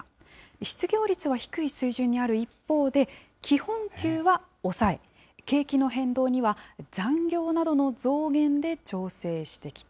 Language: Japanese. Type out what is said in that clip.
失業率は低い水準にある一方で、基本給は抑え、景気の変動には残業などの増減で調整してきた。